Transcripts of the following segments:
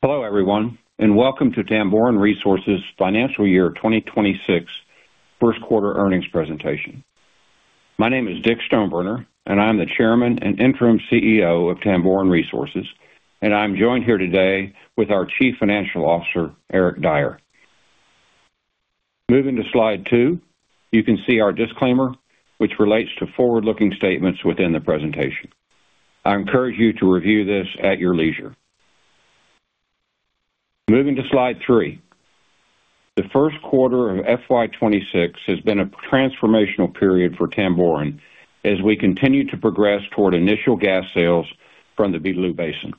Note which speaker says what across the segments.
Speaker 1: Hello everyone, and welcome to Tamboran Resources' Financial Year 2026 First Quarter Earnings Presentation. My name is Dick Stoneburner, and I'm the Chairman and Interim CEO of Tamboran Resources, and I'm joined here today with our Chief Financial Officer, Eric Dyer. Moving to slide two, you can see our disclaimer, which relates to forward-looking statements within the presentation. I encourage you to review this at your leisure. Moving to slide three, the first quarter of FY26 has been a transformational period for Tamboran as we continue to progress toward initial gas sales from the Beetaloo Basin.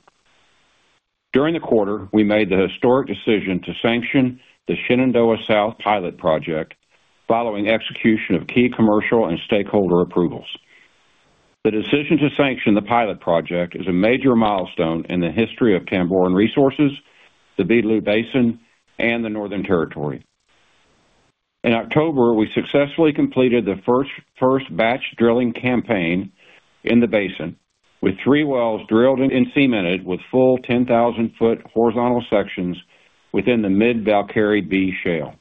Speaker 1: During the quarter, we made the historic decision to sanction the Shenandoah South Pilot Project following execution of key commercial and stakeholder approvals. The decision to sanction the pilot project is a major milestone in the history of Tamboran Resources, the Beetaloo Basin, and the Northern Territory. In October, we successfully completed the first batch drilling campaign in the basin with three wells drilled and cemented with full 10,000-foot horizontal sections within the mid-Velkerri B Shale.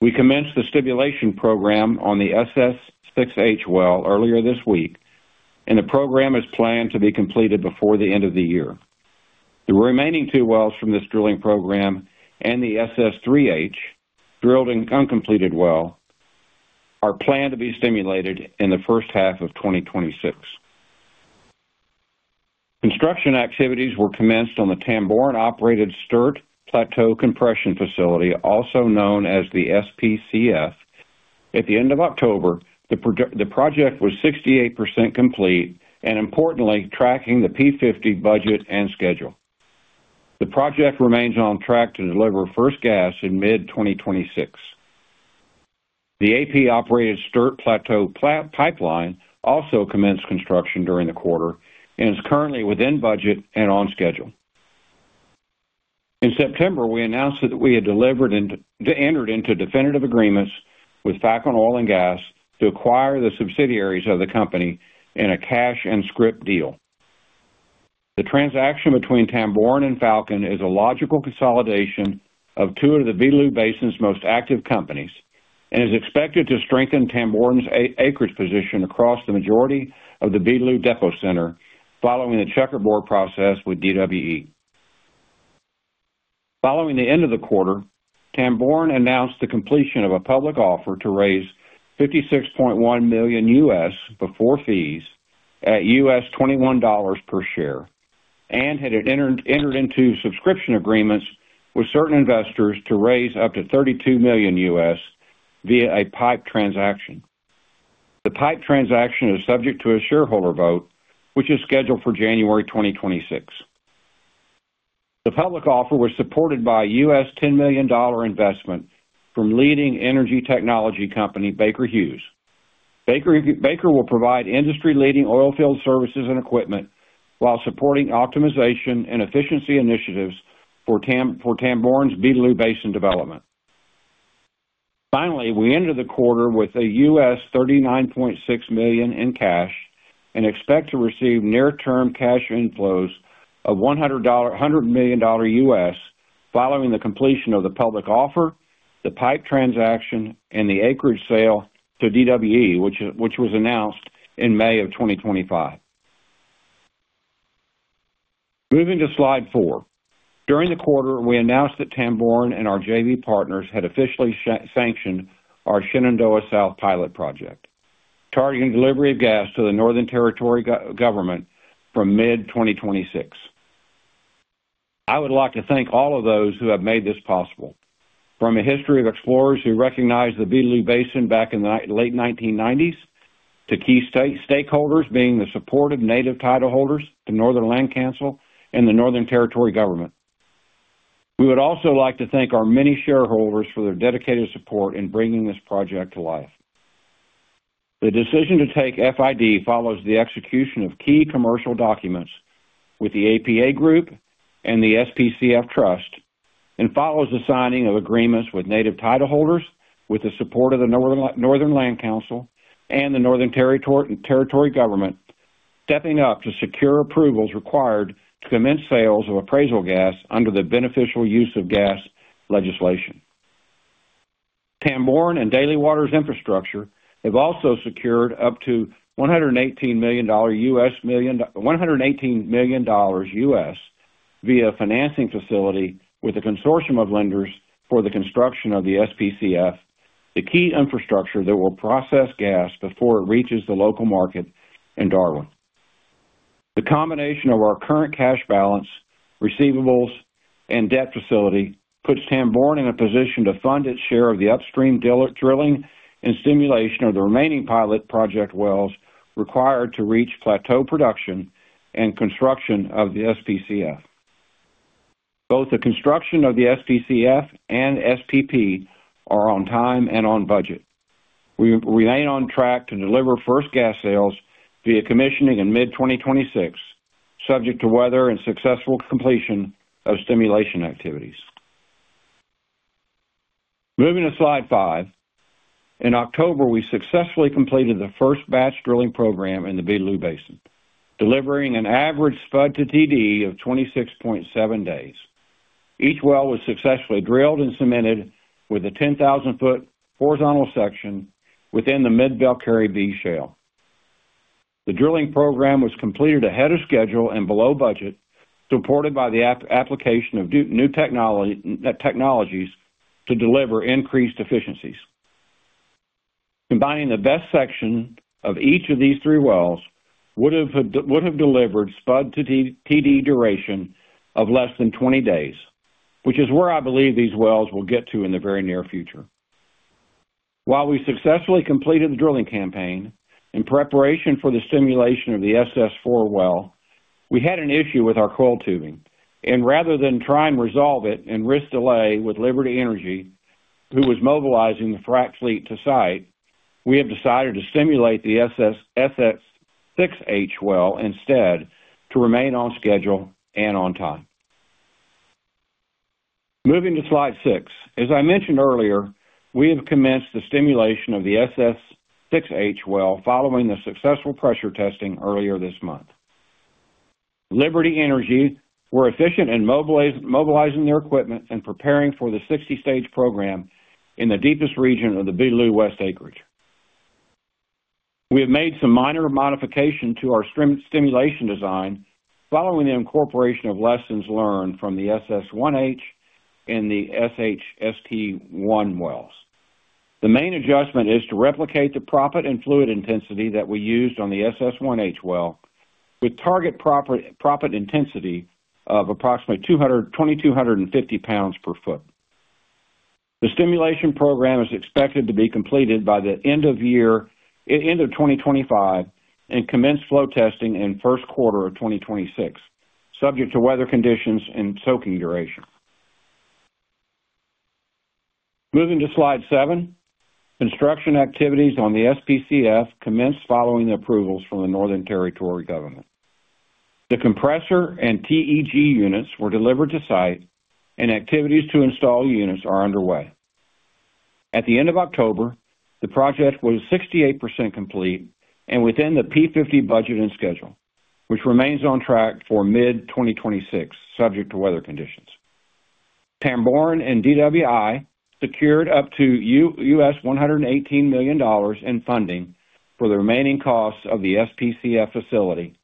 Speaker 1: We commenced the stimulation program on the SS6H well earlier this week, and the program is planned to be completed before the end of the year. The remaining two wells from this drilling program and the SS3H drilled and uncompleted well are planned to be stimulated in the first half of 2026. Construction activities were commenced on the Tamboran-operated Sturt Plateau Compression Facility, also known as the SPCF, at the end of October. The project was 68% complete and, importantly, tracking the P50 budget and schedule. The project remains on track to deliver first gas in mid-2026. The APA-operated Sturt Plateau Pipeline also commenced construction during the quarter and is currently within budget and on schedule. In September, we announced that we had delivered and entered into definitive agreements with Falcon Oil and Gas to acquire the subsidiaries of the company in a cash and script deal. The transaction between Tamboran and Falcon is a logical consolidation of two of the Beetaloo Basin's most active companies and is expected to strengthen Tamboran's acreage position across the majority of the Beetaloo Depot Center following the checkerboard process with DWE. Following the end of the quarter, Tamboran announced the completion of a public offer to raise $56.1 million before fees at $21 per share and had entered into subscription agreements with certain investors to raise up to $32 million via a PIPE transaction. The PIPE transaction is subject to a shareholder vote, which is scheduled for January 2026. The public offer was supported by a $10 million investment from leading energy technology company Baker Hughes. Baker will provide industry-leading oilfield services and equipment while supporting optimization and efficiency initiatives for Tamboran's Beetaloo Basin development. Finally, we ended the quarter with a $39.6 million in cash and expect to receive near-term cash inflows of $100 million following the completion of the public offer, the PIPE transaction, and the acreage sale to Daly Waters Energy, which was announced in May of 2025. Moving to slide four, during the quarter, we announced that Tamboran and our JV partners had officially sanctioned our Shenandoah South Pilot Project, targeting delivery of gas to the Northern Territory Government from mid-2026. I would like to thank all of those who have made this possible, from a history of explorers who recognized the Beetaloo Basin back in the late 1990s to key stakeholders being the supportive native title holders, the Northern Land Council, and the Northern Territory Government. We would also like to thank our many shareholders for their dedicated support in bringing this project to life. The decision to take FID follows the execution of key commercial documents with the APA Group and the SPCF Trust and follows the signing of agreements with native title holders, with the support of the Northern Land Council and the Northern Territory Government stepping up to secure approvals required to commence sales of appraisal gas under the beneficial use of gas legislation. Tamboran and Daly Waters Infrastructure have also secured up to $118 million via a financing facility with a consortium of lenders for the construction of the SPCF, the key infrastructure that will process gas before it reaches the local market in Darwin. The combination of our current cash balance, receivables, and debt facility puts Tamboran in a position to fund its share of the upstream drilling and stimulation of the remaining pilot project wells required to reach plateau production and construction of the SPCF. Both the construction of the SPCF and SPP are on time and on budget. We remain on track to deliver first gas sales via commissioning in mid-2026, subject to weather and successful completion of stimulation activities. Moving to slide five, in October, we successfully completed the first batch drilling program in the Beetaloo Basin, delivering an average Spud to TD of 26.7 days. Each well was successfully drilled and cemented with a 10,000-foot horizontal section within the mid-Velkerri B Shale. The drilling program was completed ahead of schedule and below budget, supported by the application of new technologies to deliver increased efficiencies. Combining the best section of each of these three wells would have delivered SPUD to TD duration of less than 20 days, which is where I believe these wells will get to in the very near future. While we successfully completed the drilling campaign in preparation for the stimulation of the SS4 well, we had an issue with our coil tubing, and rather than try and resolve it and risk delay with Liberty Energy, who was mobilizing the frac fleet to site, we have decided to stimulate the SS6H well instead to remain on schedule and on time. Moving to slide six, as I mentioned earlier, we have commenced the stimulation of the SS6H well following the successful pressure testing earlier this month. Liberty Energy were efficient in mobilizing their equipment and preparing for the 60-stage program in the deepest region of the Beetaloo West acreage. We have made some minor modifications to our stimulation design following the incorporation of lessons learned from the SS1H and the SSHT1 wells. The main adjustment is to replicate the proppant and fluid intensity that we used on the SS1H well with target proppant intensity of approximately 220-250 pounds per foot. The stimulation program is expected to be completed by the end of 2025 and commence flow testing in the first quarter of 2026, subject to weather conditions and soaking duration. Moving to slide seven, construction activities on the SPCF commenced following the approvals from the Northern Territory government. The compressor and TEG units were delivered to site, and activities to install units are underway. At the end of October, the project was 68% complete and within the P50 budget and schedule, which remains on track for mid-2026, subject to weather conditions. Tamboran and DWI secured up to $118 million in funding for the remaining costs of the SPCF facility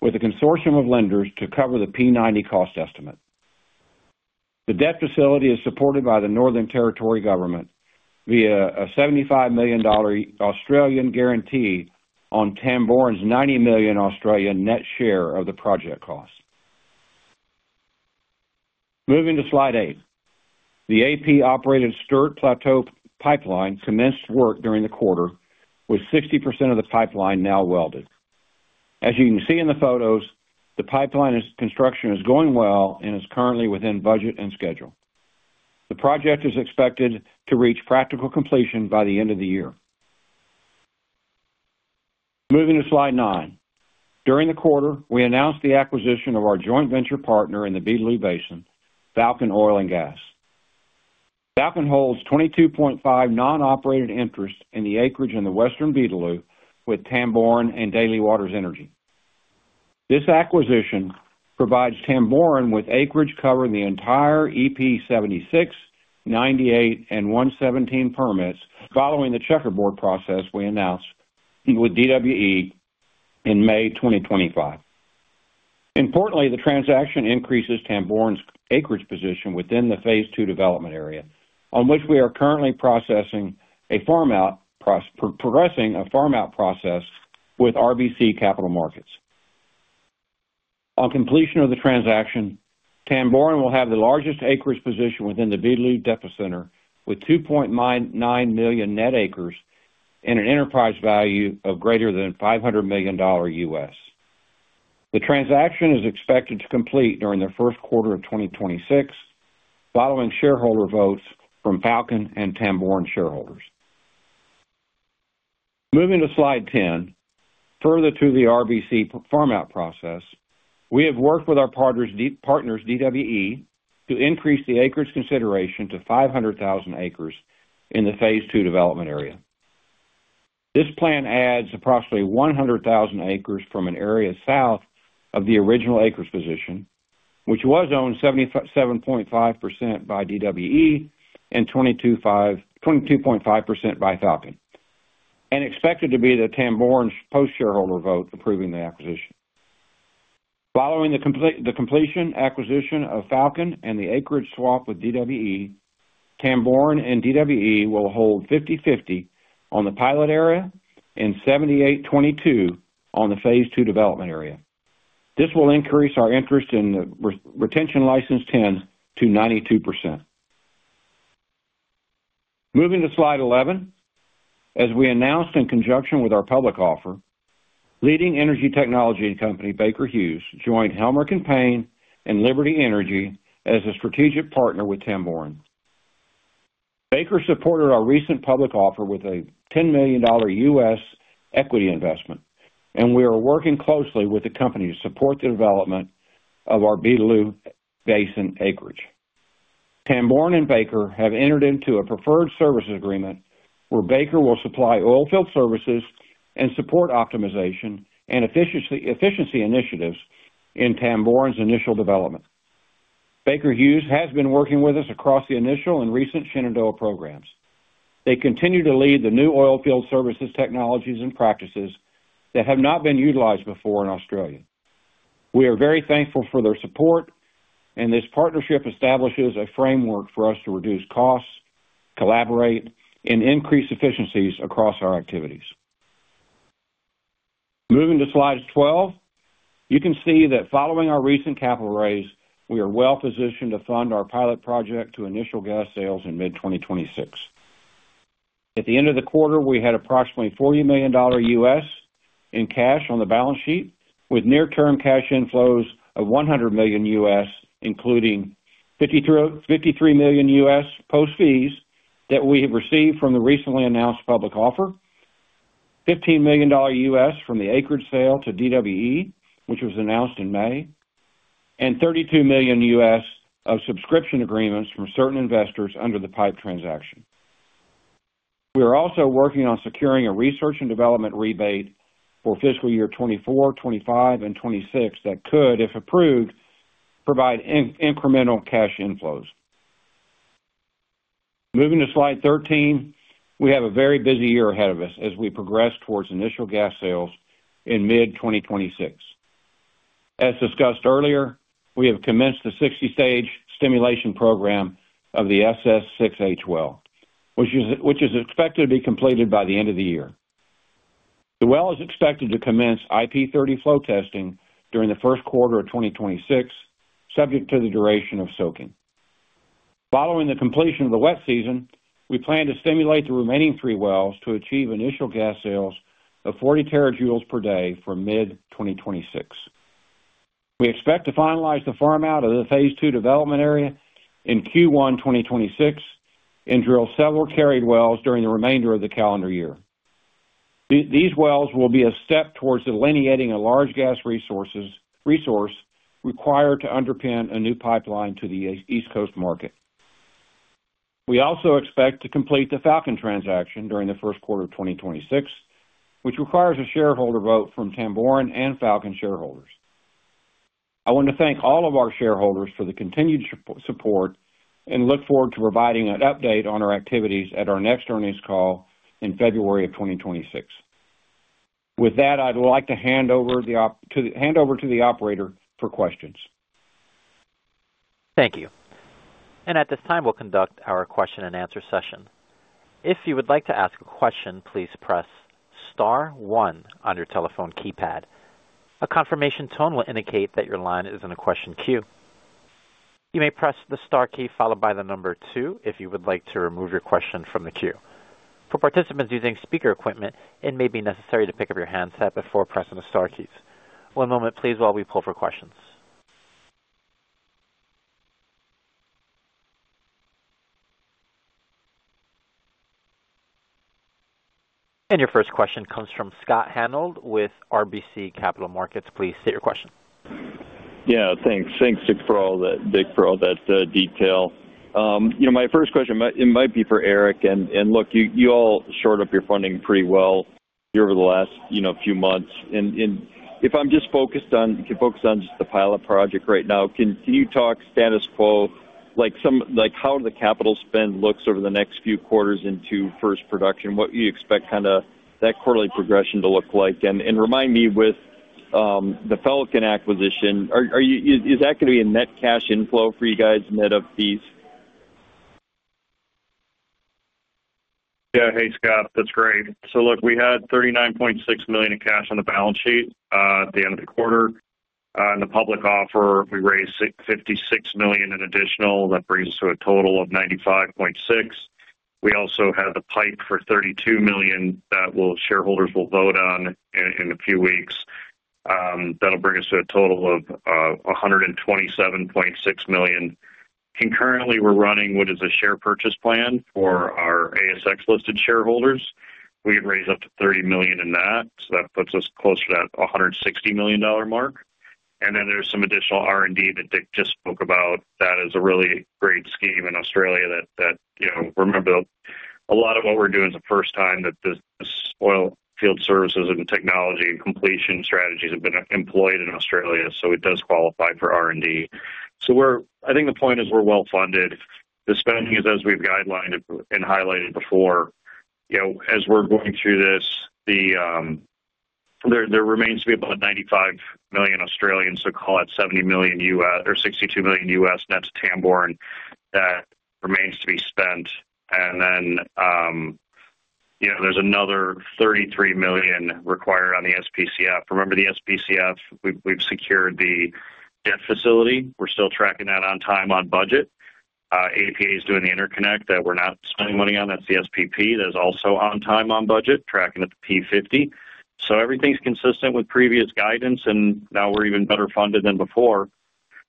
Speaker 1: with a consortium of lenders to cover the P90 cost estimate. The debt facility is supported by the Northern Territory government via an 75 million Australian dollars guarantee on Tamboran's 90 million net share of the project cost. Moving to slide eight, the APA Group-operated Sturt Plateau Pipeline commenced work during the quarter with 60% of the pipeline now welded. As you can see in the photos, the pipeline construction is going well and is currently within budget and schedule. The project is expected to reach practical completion by the end of the year. Moving to slide nine, during the quarter, we announced the acquisition of our joint venture partner in the Beetaloo Basin, Falcon Oil and Gas. Falcon holds 22.5% non-operated interests in the acreage in the western Beetaloo with Tamboran and Daly Waters Energy. This acquisition provides Tamboran with acreage covering the entire EP 76, 98, and 117 permits following the checkerboard process we announced with DWE in May 2025. Importantly, the transaction increases Tamboran's acreage position within the Phase II Development Area, on which we are currently processing a farm-out process with RBC Capital Markets. On completion of the transaction, Tamboran will have the largest acreage position within the Beetaloo Basin Operations with 2.9 million net acres and an enterprise value of greater than $500 million. The transaction is expected to complete during the first quarter of 2026, following shareholder votes from Falcon Oil and Gas and Tamboran shareholders. Moving to slide ten, further to the RBC Capital Markets farm-out process, we have worked with our partners Daly Waters Energy to increase the acreage consideration to 500,000 acres in the phase II development area. This plan adds approximately 100,000 acres from an area south of the original acreage position, which was owned 77.5% by Daly Waters Energy and 22.5% by Falcon Oil and Gas, and expected to be Tamboran's post-shareholder vote approving the acquisition. Following the completion acquisition of Falcon Oil and Gas and the acreage swap with Daly Waters Energy, Tamboran and Daly Waters Energy will hold 50-50 on the pilot area and 78-22 on the phase II development area. This will increase our interest in retention license 10 to 92%. Moving to slide 11, as we announced in conjunction with our public offer, leading energy technology company Baker Hughes joined Helmerich & Payne and Liberty Energy as a strategic partner with Tamboran. Baker supported our recent public offer with a $10 million U.S. equity investment, and we are working closely with the company to support the development of our Beetaloo Basin acreage. Tamboran and Baker have entered into a preferred services agreement where Baker will supply oilfield services and support optimization and efficiency initiatives in Tamboran's initial development. Baker Hughes has been working with us across the initial and recent Shenandoah programs. They continue to lead the new oilfield services technologies and practices that have not been utilized before in Australia. We are very thankful for their support, and this partnership establishes a framework for us to reduce costs, collaborate, and increase efficiencies across our activities. Moving to slide 12, you can see that following our recent capital raise, we are well positioned to fund our pilot project to initial gas sales in mid-2026. At the end of the quarter, we had approximately $40 million in cash on the balance sheet, with near-term cash inflows of $100 million, including $53 million post-fees that we have received from the recently announced public offer, $15 million from the acreage sale to Daly Waters Energy, which was announced in May, and $32 million of subscription agreements from certain investors under the PIPE transaction. We are also working on securing a research and development rebate for fiscal year 2024, 2025, and 2026 that could, if approved, provide incremental cash inflows. Moving to slide 13, we have a very busy year ahead of us as we progress towards initial gas sales in mid-2026. As discussed earlier, we have commenced the 60-stage stimulation program of the SS6H well, which is expected to be completed by the end of the year. The well is expected to commence IP 30 flow testing during the first quarter of 2026, subject to the duration of soaking. Following the completion of the wet season, we plan to stimulate the remaining three wells to achieve initial gas sales of 40 terajoules per day for mid-2026. We expect to finalize the farm-out of the Phase II Development Area in Q1 2026 and drill several carried wells during the remainder of the calendar year. These wells will be a step towards delineating a large gas resource required to underpin a new pipeline to the East Coast market. We also expect to complete the Falcon transaction during the first quarter of 2026, which requires a shareholder vote from Tamboran and Falcon shareholders. I want to thank all of our shareholders for the continued support and look forward to providing an update on our activities at our next earnings call in February of 2026. With that, I'd like to hand over to the operator for questions.
Speaker 2: Thank you. At this time, we'll conduct our question-and-answer session. If you would like to ask a question, please press star one on your telephone keypad. A confirmation tone will indicate that your line is in a question queue. You may press the star key followed by the number two if you would like to remove your question from the queue. For participants using speaker equipment, it may be necessary to pick up your handset before pressing the star keys. One moment, please, while we pull for questions. Your first question comes from Scott Hanold with RBC Capital Markets. Please state your question.
Speaker 3: Yeah, thanks. Thanks, Dick, for all that detail. My first question, it might be for Eric. And look, you all shorted up your funding pretty well here over the last few months. If I'm just focused on just the pilot project right now, can you talk status quo? How does the capital spend look over the next few quarters into first production? What do you expect kind of that quarterly progression to look like? Remind me with the Falcon acquisition, is that going to be a net cash inflow for you guys net of fees?
Speaker 4: Yeah. Hey, Scott. That's great. Look, we had $39.6 million in cash on the balance sheet at the end of the quarter. In the public offer, we raised $56 million in additional. That brings us to a total of $95.6 million. We also have the PIPE for $32 million that shareholders will vote on in a few weeks. That'll bring us to a total of $127.6 million. Concurrently, we're running what is a share purchase plan for our ASX-listed shareholders. We've raised up to $30 million in that. That puts us closer to that $160 million mark. There is some additional R&D that Dick just spoke about. That is a really great scheme in Australia. Remember, a lot of what we're doing is the first time that this oilfield services and technology and completion strategies have been employed in Australia. It does qualify for R&D. I think the point is we're well funded. The spending is, as we've guidelined and highlighted before, as we're going through this, there remains to be about 95 million, so call it $70 million or $62 million, and that's Tamboran that remains to be spent. Then there's another 33 million required on the SPCF. Remember the SPCF, we've secured the debt facility. We're still tracking that on time on budget. APA is doing the interconnect that we're not spending money on. That's the SPP that is also on time on budget, tracking at the P50. Everything's consistent with previous guidance, and now we're even better funded than before.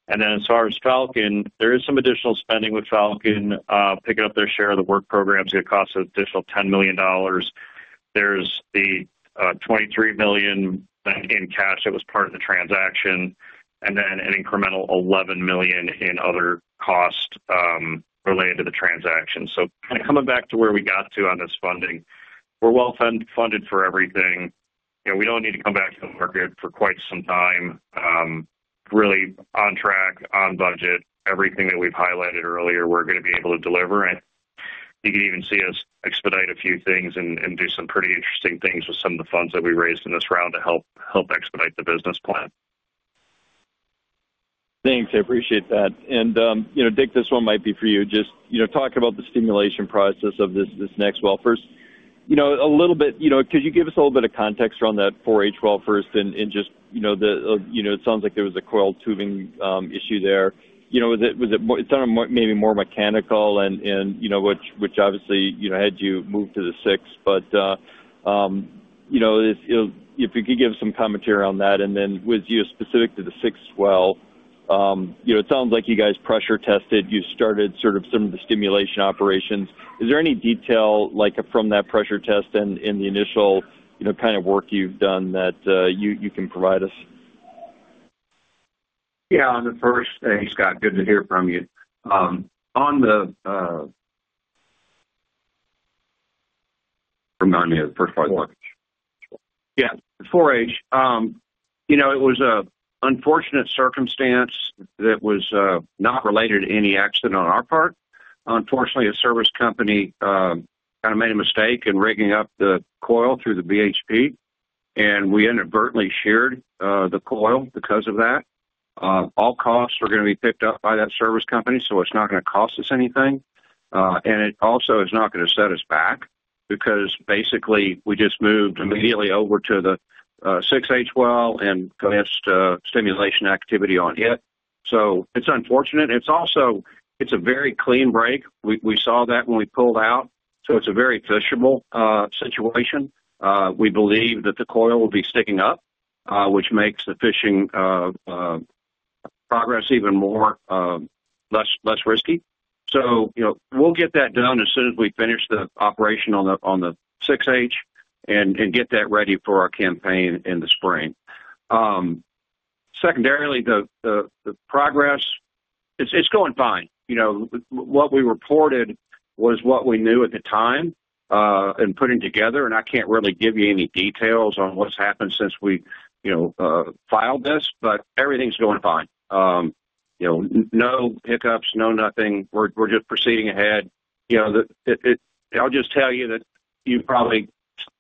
Speaker 4: As far as Falcon, there is some additional spending with Falcon picking up their share of the work programs. It costs an additional $10 million. There's the $23 million in cash that was part of the transaction, and then an incremental $11 million in other costs related to the transaction. Kind of coming back to where we got to on this funding, we're well funded for everything. We don't need to come back to the market for quite some time. Really on track, on budget, everything that we've highlighted earlier, we're going to be able to deliver. You can even see us expedite a few things and do some pretty interesting things with some of the funds that we raised in this round to help expedite the business plan.
Speaker 3: Thanks. I appreciate that. Dick, this one might be for you. Just talk about the stimulation process of this next well first. A little bit, could you give us a little bit of context around that 4H well first and just it sounds like there was a coil tubing issue there. Was it maybe more mechanical, which obviously had you move to the sixth? If you could give some commentary around that. With you specific to the sixth well, it sounds like you guys pressure tested. You started sort of some of the stimulation operations. Is there any detail from that pressure test and the initial kind of work you've done that you can provide us?
Speaker 1: Yeah. On the first thing, Scott, good to hear from you. Remind me of the first part of the question. Yeah. 4H. It was an unfortunate circumstance that was not related to any accident on our part. Unfortunately, a service company kind of made a mistake in rigging up the coil through the BHP, and we inadvertently sheared the coil because of that. All costs are going to be picked up by that service company, so it's not going to cost us anything. It also is not going to set us back because basically we just moved immediately over to the 6H well and commenced stimulation activity on it. It's unfortunate. It's a very clean break. We saw that when we pulled out. It's a very fishable situation. We believe that the coil will be sticking up, which makes the fishing progress even less risky. We'll get that done as soon as we finish the operation on the 6H and get that ready for our campaign in the spring. Secondarily, the progress, it's going fine. What we reported was what we knew at the time and putting together. I can't really give you any details on what's happened since we filed this, but everything's going fine. No hiccups, no nothing. We're just proceeding ahead. I'll just tell you that you've probably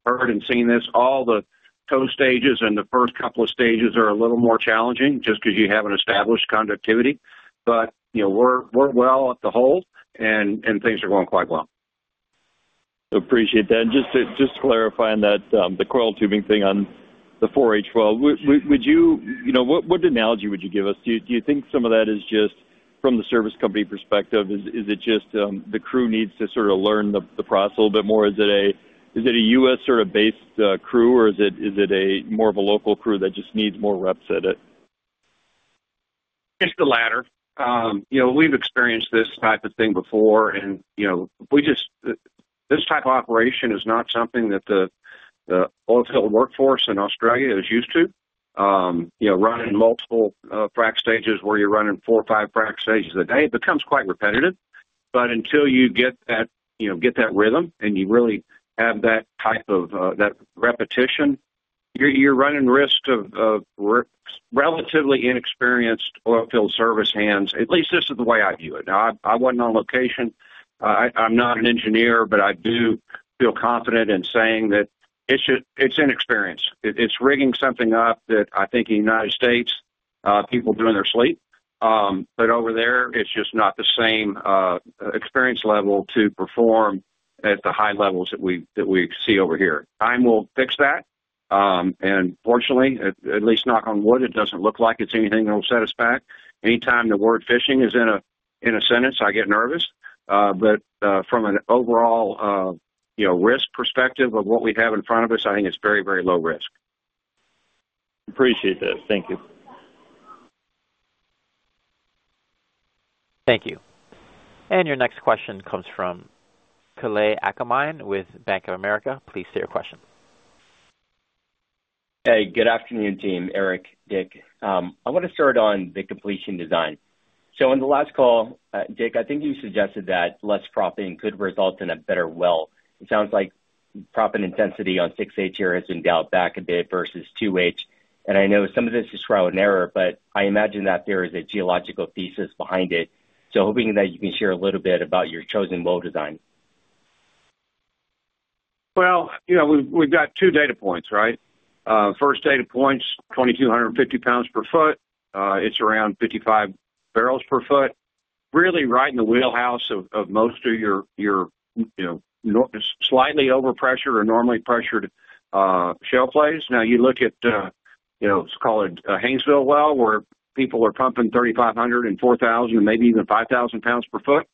Speaker 1: heard and seen this. All the co-stages and the first couple of stages are a little more challenging just because you haven't established conductivity. We're well at the hold, and things are going quite well.
Speaker 3: Appreciate that. Just clarifying that the coil tubing thing on the 4H well, what analogy would you give us? Do you think some of that is just from the service company perspective? Is it just the crew needs to sort of learn the process a little bit more? Is it a U.S. sort of based crew, or is it more of a local crew that just needs more reps at it?
Speaker 1: It's the latter. We've experienced this type of thing before. This type of operation is not something that the oilfield workforce in Australia is used to. Running multiple frac stages where you're running four or five frac stages a day becomes quite repetitive. Until you get that rhythm and you really have that type of repetition, you're running risk of relatively inexperienced oilfield service hands. At least this is the way I view it. I wasn't on location. I'm not an engineer, but I do feel confident in saying that it's inexperience. It's rigging something up that I think in the United States, people do in their sleep. Over there, it's just not the same experience level to perform at the high levels that we see over here. Time will fix that. Fortunately, at least knock on wood, it doesn't look like it's anything that will set us back. Anytime the word fishing is in a sentence, I get nervous. From an overall risk perspective of what we have in front of us, I think it's very, very low risk.
Speaker 3: Appreciate that. Thank you.
Speaker 2: Thank you. Your next question comes from Calay Akamine with Bank of America. Please state your question.
Speaker 5: Hey, good afternoon, team. Eric, Dick. I want to start on the completion design. On the last call, Dick, I think you suggested that less proppant could result in a better well. It sounds like proppant intensity on 6H here has been dialed back a bit versus 2H. I know some of this is trial and error, but I imagine that there is a geological thesis behind it. Hoping that you can share a little bit about your chosen well design.
Speaker 1: We have got two data points, right? First data point, 2,250 pounds per foot. It is around 55 barrels per foot. Really right in the wheelhouse of most of your slightly overpressured or normally pressured shale plays. Now, you look at, let us call it a Haynesville well where people are pumping 3,500 and 4,000 and maybe even 5,000 pounds per foot.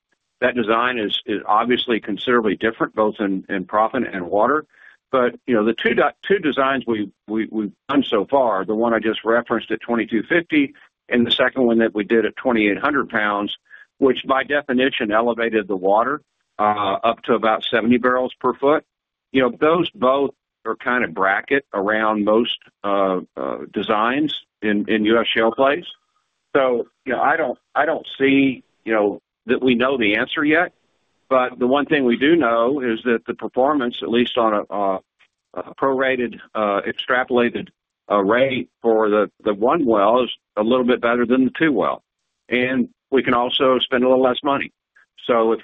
Speaker 1: That design is obviously considerably different, both in proppant and water. The two designs we have done so far, the one I just referenced at 2,250 and the second one that we did at 2,800 pounds, which by definition elevated the water up to about 70 barrels per foot. Those both kind of bracket around most designs in U.S. shale plays. I do not see that we know the answer yet. The one thing we do know is that the performance, at least on a prorated extrapolated rate for the one well, is a little bit better than the two well. We can also spend a little less money.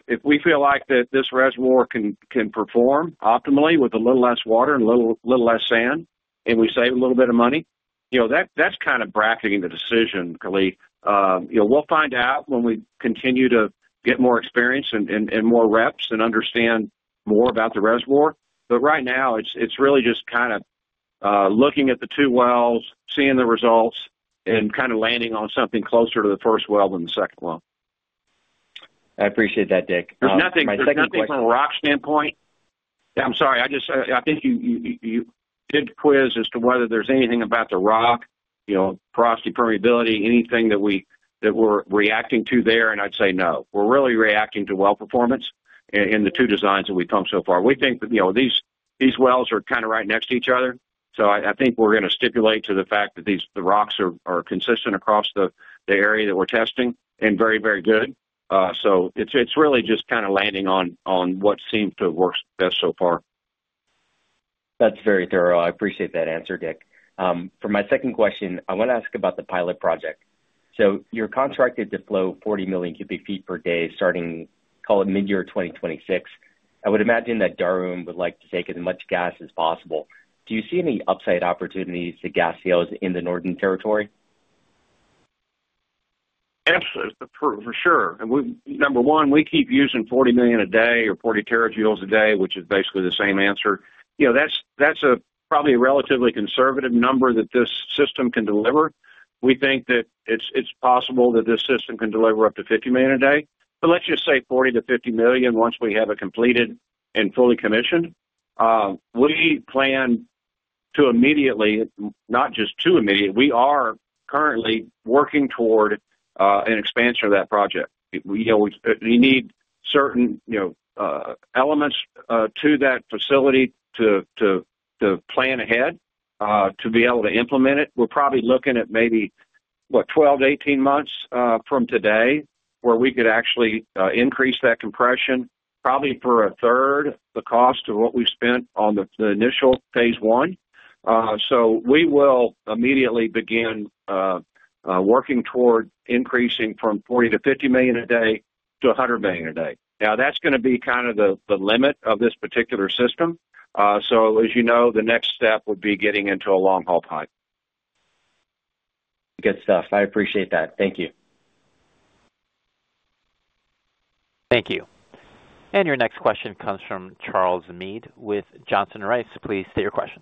Speaker 1: If we feel like this reservoir can perform optimally with a little less water and a little less sand, and we save a little bit of money, that is kind of bracketing the decision, Calay. We will find out when we continue to get more experience and more reps and understand more about the reservoir. Right now, it is really just kind of looking at the two wells, seeing the results, and kind of landing on something closer to the first well than the second well.
Speaker 5: I appreciate that, Dick.
Speaker 1: My second question. My second question. From a rock standpoint. Yeah, I'm sorry. I think you did quiz as to whether there's anything about the rock, porosity, permeability, anything that we're reacting to there. I'd say no. We're really reacting to well performance in the two designs that we've come so far. We think that these wells are kind of right next to each other. I think we're going to stipulate to the fact that the rocks are consistent across the area that we're testing and very, very good. It's really just kind of landing on what seems to have worked best so far.
Speaker 5: That's very thorough. I appreciate that answer, Dick. For my second question, I want to ask about the pilot project. So your contract is to flow 40 million cubic feet per day starting, call it mid-year 2026. I would imagine that Darwin would like to take as much gas as possible. Do you see any upside opportunities to gas shales in the Northern Territory?
Speaker 1: Absolutely. For sure. Number one, we keep using 40 million a day or 40 terajoules a day, which is basically the same answer. That is probably a relatively conservative number that this system can deliver. We think that it is possible that this system can deliver up to 50 million a day. Let us just say 40-50 million once we have it completed and fully commissioned. We plan to immediately, not just to immediately, we are currently working toward an expansion of that project. We need certain elements to that facility to plan ahead to be able to implement it. We are probably looking at maybe, what, 12-18 months from today where we could actually increase that compression, probably for a third the cost of what we spent on the initial phase I. We will immediately begin working toward increasing from 40 to 50 million a day to 100 million a day. Now, that's going to be kind of the limit of this particular system. As you know, the next step would be getting into a long haul pipe.
Speaker 5: Good stuff. I appreciate that. Thank you.
Speaker 2: Thank you. Your next question comes from Charles Mead with Johnson Rice. Please state your question.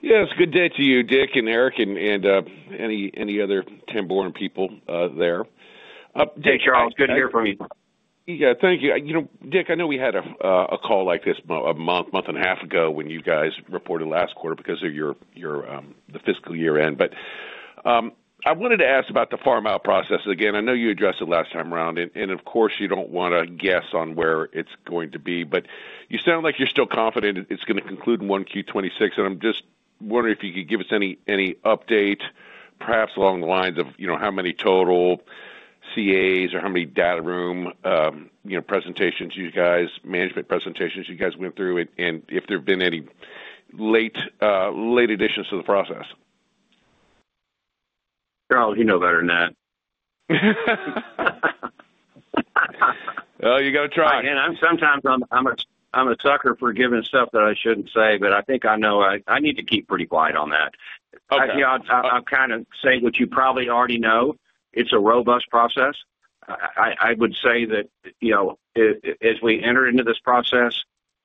Speaker 6: Yeah. It's a good day to you, Dick and Eric and any other Tamboran people there.
Speaker 1: Hey, Charles. Good to hear from you.
Speaker 6: Yeah. Thank you. Dick, I know we had a call like this a month, month and a half ago when you guys reported last quarter because of the fiscal year end. I wanted to ask about the farm out process again. I know you addressed it last time around. Of course, you don't want to guess on where it's going to be. You sound like you're still confident it's going to conclude in 1Q 2026. I'm just wondering if you could give us any update, perhaps along the lines of how many total CAs or how many data room presentations you guys, management presentations you guys went through, and if there have been any late additions to the process.
Speaker 1: Charles, you know better than that.
Speaker 6: You got to try.
Speaker 1: Sometimes I'm a sucker for giving stuff that I shouldn't say, but I think I know I need to keep pretty quiet on that. I'll kind of say what you probably already know. It's a robust process. I would say that as we enter into this process,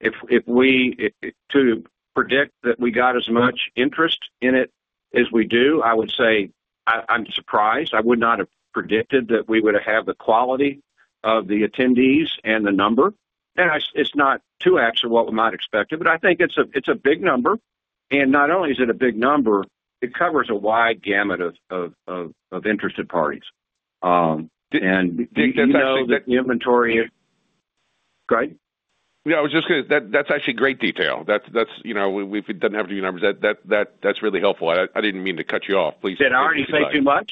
Speaker 1: to predict that we got as much interest in it as we do, I would say I'm surprised. I would not have predicted that we would have had the quality of the attendees and the number. It's not too actual what we might expect it, but I think it's a big number. Not only is it a big number, it covers a wide gamut of interested parties. We know that the inventory is.
Speaker 6: Dick, that's actually good.
Speaker 1: Go ahead.
Speaker 6: Yeah. I was just going to say that's actually great detail. We didn't have to do numbers. That's really helpful. I didn't mean to cut you off. Please.
Speaker 1: Did I already say too much?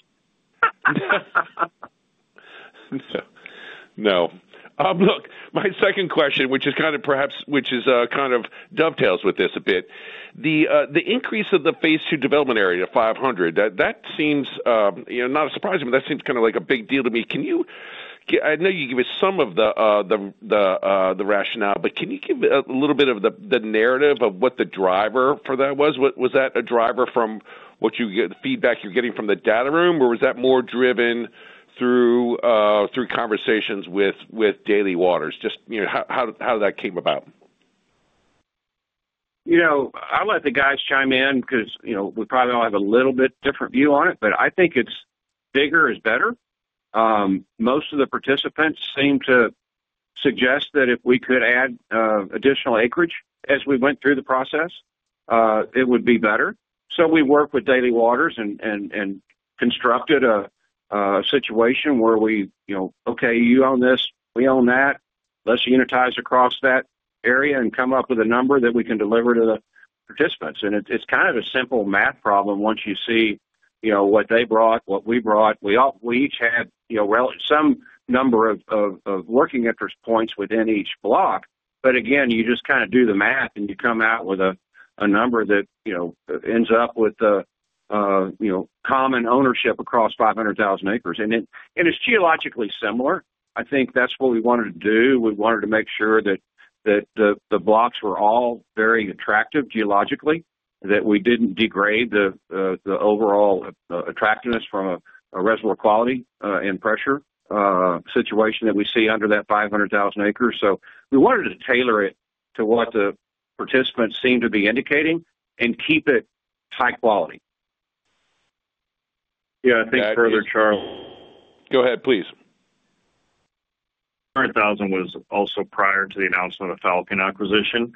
Speaker 6: No. Look, my second question, which is kind of perhaps which is kind of dovetails with this a bit. The increase of the Phase II Development Area to 500, that seems not a surprise to me, but that seems kind of like a big deal to me. I know you gave us some of the rationale, but can you give a little bit of the narrative of what the driver for that was? Was that a driver from what you get the feedback you're getting from the data room, or was that more driven through conversations with Daly Waters? Just how did that came about?
Speaker 1: I let the guys chime in because we probably all have a little bit different view on it, but I think it's bigger is better. Most of the participants seem to suggest that if we could add additional acreage as we went through the process, it would be better. We worked with Daly Waters and constructed a situation where we, okay, you own this, we own that. Let's unitize across that area and come up with a number that we can deliver to the participants. It's kind of a simple math problem once you see what they brought, what we brought. We each had some number of working interest points within each block. Again, you just kind of do the math, and you come out with a number that ends up with common ownership across 500,000 acres. It's geologically similar. I think that's what we wanted to do. We wanted to make sure that the blocks were all very attractive geologically, that we didn't degrade the overall attractiveness from a reservoir quality and pressure situation that we see under that 500,000 acres. We wanted to tailor it to what the participants seem to be indicating and keep it high quality.
Speaker 4: Yeah. I think further, Charles.
Speaker 1: Go ahead, please.
Speaker 4: $500,000 was also prior to the announcement of Falcon acquisition.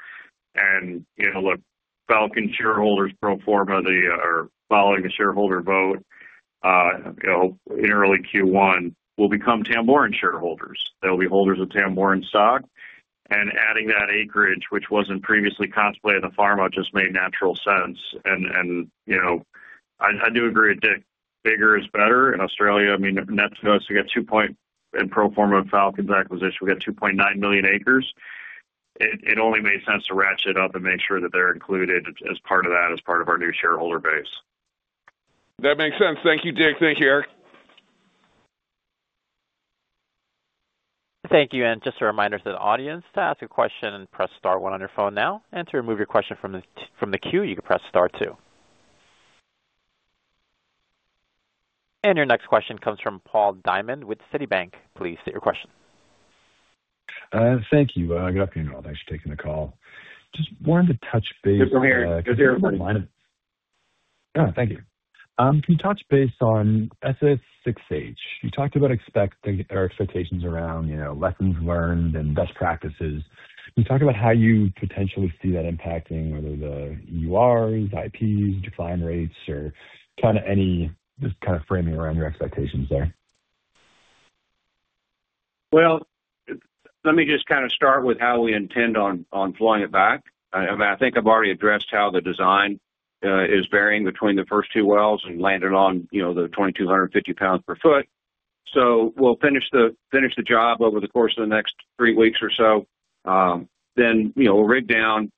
Speaker 4: Look, Falcon shareholders pro forma are following the shareholder vote in early Q1 will become Tamboran shareholders. They'll be holders of Tamboran stock. Adding that acreage, which was not previously contemplated in the farm, just made natural sense. I do agree with Dick. Bigger is better. In Australia, I mean, net to us, we got 2.9 million acres pro forma of Falcon's acquisition. It only made sense to ratchet up and make sure that they are included as part of that, as part of our new shareholder base.
Speaker 6: That makes sense. Thank you, Dick. Thank you, Eric.
Speaker 2: Thank you. Just a reminder to the audience to ask a question, press star one on your phone now. To remove your question from the queue, you can press star two. Your next question comes from Paul Diamond with Citibank. Please state your question.
Speaker 7: Thank you. Good afternoon, all. Thanks for taking the call. Just wanted to touch base.
Speaker 1: Good to be here. Good to hear.
Speaker 7: On the line. Yeah. Thank you. Can you touch base on SS6H? You talked about expectations around lessons learned and best practices. Can you talk about how you potentially see that impacting whether the EURs, IPs, decline rates, or kind of any just kind of framing around your expectations there?
Speaker 1: Let me just kind of start with how we intend on flowing it back. I mean, I think I've already addressed how the design is varying between the first two wells and landed on the 2,250 pounds per foot. We will finish the job over the course of the next three weeks or so. Then we will rig down.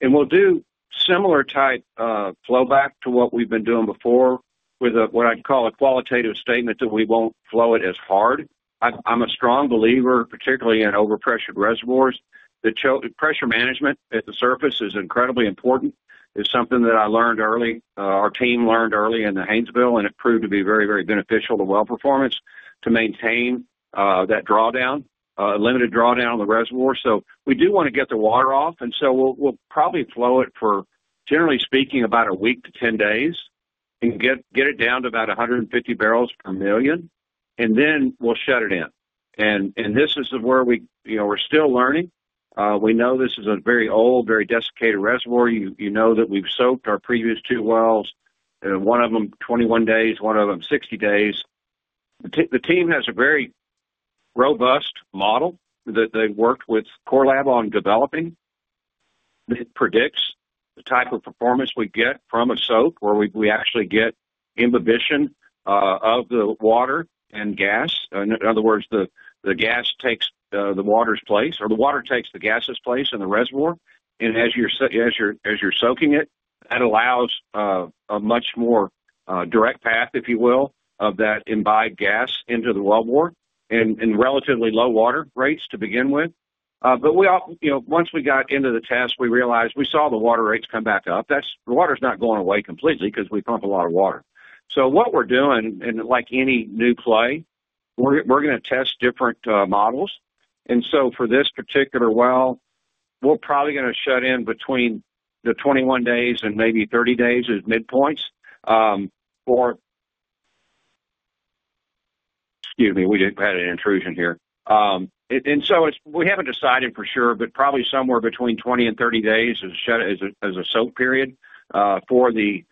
Speaker 1: We will do similar type flowback to what we have been doing before with what I would call a qualitative statement that we will not flow it as hard. I am a strong believer, particularly in overpressured reservoirs. The pressure management at the surface is incredibly important. It is something that I learned early. Our team learned early in the Hamesville, and it proved to be very, very beneficial to well performance to maintain that drawdown, limited drawdown on the reservoir. We do want to get the water off. We'll probably flow it for, generally speaking, about a week to 10 days and get it down to about 150 barrels per million. Then we'll shut it in. This is where we're still learning. We know this is a very old, very desiccated reservoir. You know that we've soaked our previous two wells, one of them 21 days, one of them 60 days. The team has a very robust model that they worked with CoreLab on developing that predicts the type of performance we get from a soak where we actually get imbibition of the water and gas. In other words, the gas takes the water's place or the water takes the gas's place in the reservoir. As you're soaking it, that allows a much more direct path, if you will, of that imbibed gas into the wellbore and relatively low water rates to begin with. Once we got into the test, we realized we saw the water rates come back up. The water's not going away completely because we pump a lot of water. What we're doing, and like any new play, we're going to test different models. For this particular well, we're probably going to shut in between 21 days and maybe 30 days as midpoints for—excuse me, we had an intrusion here. We haven't decided for sure, but probably somewhere between 20-30 days as a soak period for the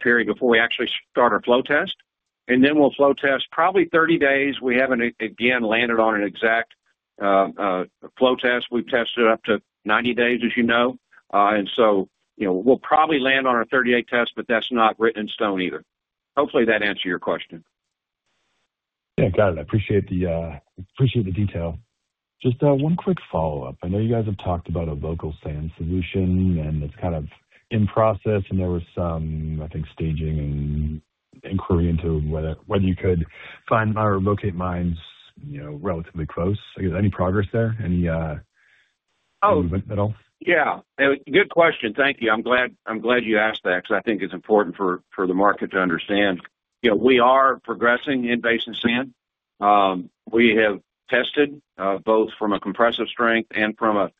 Speaker 1: period before we actually start our flow test. We'll flow test probably 30 days. We haven't again landed on an exact flow test. We've tested up to 90 days, as you know. We'll probably land on our 30-day test, but that's not written in stone either. Hopefully, that answered your question.
Speaker 7: Yeah. Got it. I appreciate the detail. Just one quick follow-up. I know you guys have talked about a local sand solution, and it's kind of in process. There was some, I think, staging and inquiry into whether you could find or locate mines relatively close. Any progress there? Any movement at all?
Speaker 1: Yeah. Good question. Thank you. I'm glad you asked that because I think it's important for the market to understand. We are progressing in-basin sand. We have tested both from a compressive strength and from a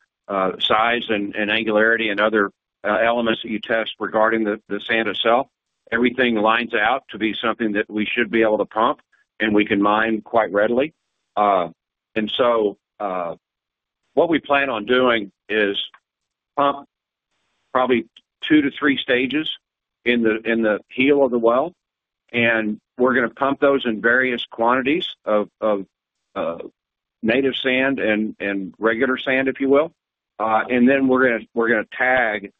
Speaker 1: size and angularity and other elements that you test regarding the sand itself. Everything lines out to be something that we should be able to pump, and we can mine quite readily. What we plan on doing is pump probably two to three stages in the heel of the well. We are going to pump those in various quantities of native sand and regular sand, if you will. We are going to tag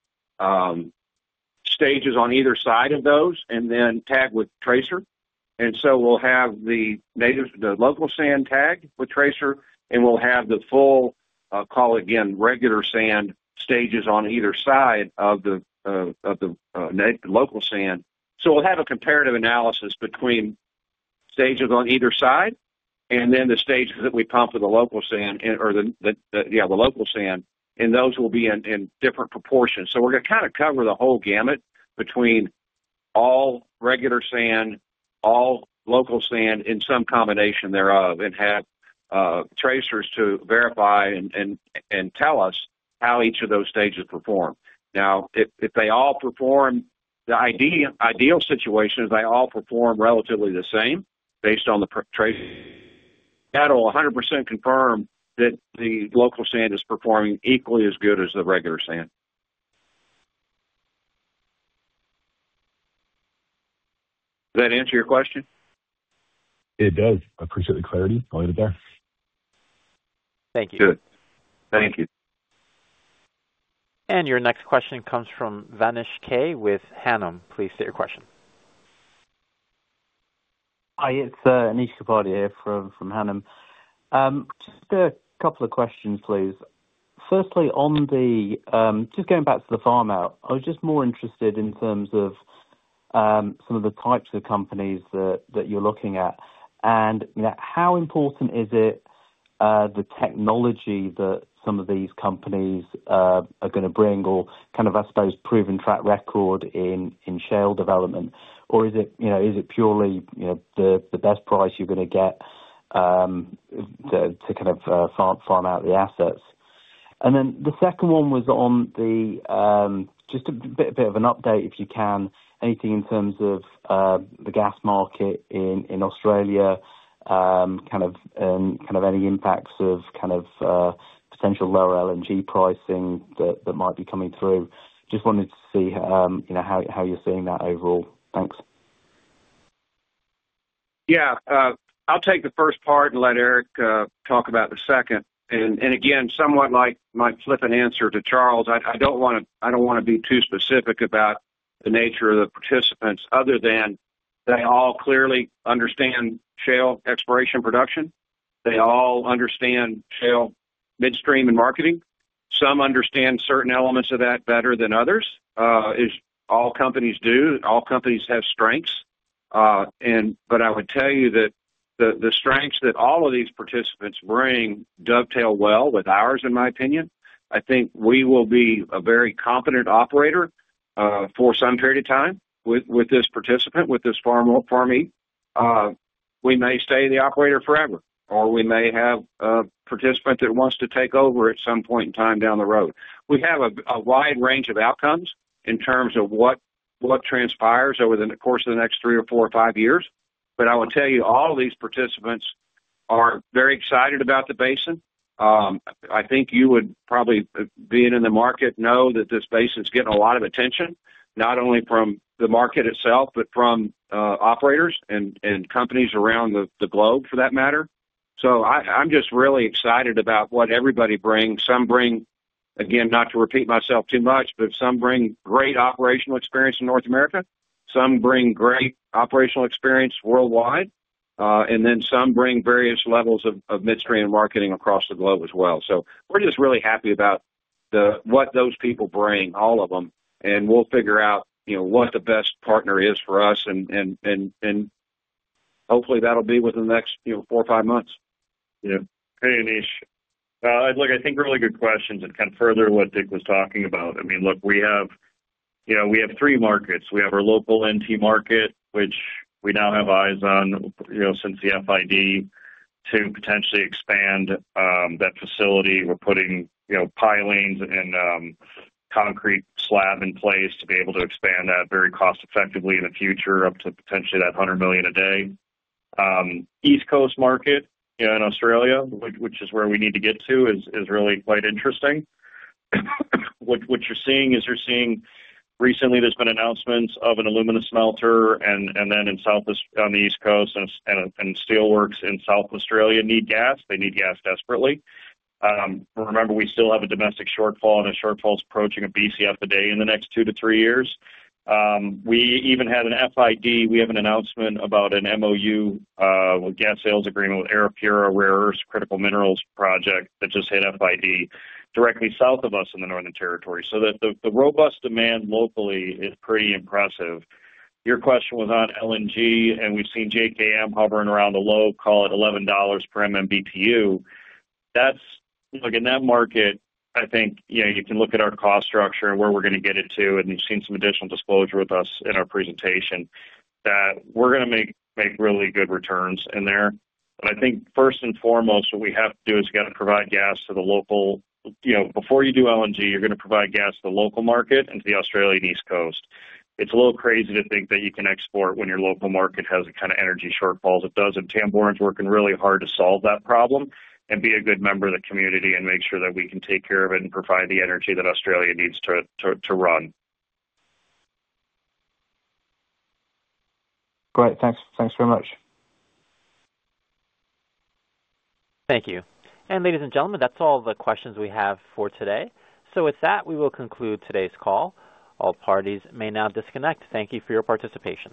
Speaker 1: stages on either side of those and then tag with tracer. We'll have the local sand tagged with tracer, and we'll have the full, I'll call it again, regular sand stages on either side of the local sand. We'll have a comparative analysis between stages on either side and then the stages that we pump with the local sand or the, yeah, the local sand. Those will be in different proportions. We're going to kind of cover the whole gamut between all regular sand, all local sand in some combination thereof, and have tracers to verify and tell us how each of those stages perform. Now, if they all perform, the ideal situation is they all perform relatively the same based on the tracer. That'll 100% confirm that the local sand is performing equally as good as the regular sand. Does that answer your question?
Speaker 7: It does. I appreciate the clarity. I'll leave it there.
Speaker 1: Thank you. Good. Thank you.
Speaker 2: Your next question comes from Anish Kapadia with Hannam & Partners. Please state your question.
Speaker 8: Hi. It's Anish Kapadia here from Hannam. Just a couple of questions, please. Firstly, just going back to the farm out, I was just more interested in terms of some of the types of companies that you're looking at. How important is it, the technology that some of these companies are going to bring or kind of, I suppose, proven track record in shale development? Or is it purely the best price you're going to get to kind of farm out the assets? The second one was on just a bit of an update, if you can, anything in terms of the gas market in Australia, kind of any impacts of kind of potential lower LNG pricing that might be coming through. Just wanted to see how you're seeing that overall. Thanks.
Speaker 1: Yeah. I'll take the first part and let Eric talk about the second. Again, somewhat like my flipping answer to Charles, I don't want to be too specific about the nature of the participants other than they all clearly understand shale exploration production. They all understand shale midstream and marketing. Some understand certain elements of that better than others. All companies do. All companies have strengths. I would tell you that the strengths that all of these participants bring dovetail well with ours, in my opinion. I think we will be a very competent operator for some period of time with this participant, with this farmie. We may stay the operator forever, or we may have a participant that wants to take over at some point in time down the road. We have a wide range of outcomes in terms of what transpires over the course of the next three or four or five years. I will tell you, all of these participants are very excited about the basin. I think you would probably, being in the market, know that this basin is getting a lot of attention, not only from the market itself, but from operators and companies around the globe, for that matter. I am just really excited about what everybody brings. Some bring, again, not to repeat myself too much, but some bring great operational experience in North America. Some bring great operational experience worldwide. Then some bring various levels of midstream marketing across the globe as well. We are just really happy about what those people bring, all of them. We will figure out what the best partner is for us. Hopefully, that'll be within the next four or five months.
Speaker 4: Yeah. Hey, Anish. Look, I think really good questions and kind of further what Dick was talking about. I mean, look, we have three markets. We have our local NT market, which we now have eyes on since the FID to potentially expand that facility. We're putting pilings and concrete slab in place to be able to expand that very cost-effectively in the future up to potentially that 100 million a day. East Coast market in Australia, which is where we need to get to, is really quite interesting. What you're seeing is you're seeing recently there's been announcements of an aluminum smelter, and then on the East Coast and steelworks in South Australia need gas. They need gas desperately. Remember, we still have a domestic shortfall, and a shortfall is approaching a BCF a day in the next two to three years. We even had an FID. We have an announcement about an MOU, a gas sales agreement with Aripura Rare Earths Critical Minerals Project that just hit FID directly south of us in the Northern Territory. The robust demand locally is pretty impressive. Your question was on LNG, and we've seen JKM hovering around a low, call it $11 per MMBTU. Look, in that market, I think you can look at our cost structure and where we're going to get it to. You've seen some additional disclosure with us in our presentation that we're going to make really good returns in there. I think first and foremost, what we have to do is you got to provide gas to the local before you do LNG, you're going to provide gas to the local market and to the Australian East Coast. It's a little crazy to think that you can export when your local market has kind of energy shortfalls. It does. Tamboran is working really hard to solve that problem and be a good member of the community and make sure that we can take care of it and provide the energy that Australia needs to run.
Speaker 8: Great. Thanks very much.
Speaker 2: Thank you. And ladies and gentlemen, that's all the questions we have for today. So with that, we will conclude today's call. All parties may now disconnect. Thank you for your participation.